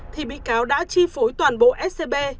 thì bị cáo đã chi phối toàn bộ scb